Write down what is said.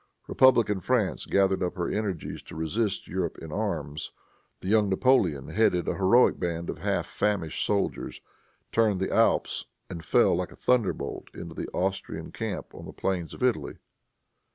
Republican France gathered up her energies to resist Europe in arms. The young Napoleon, heading a heroic band of half famished soldiers, turned the Alps and fell like a thunderbolt into the Austrian camp upon the plains of Italy.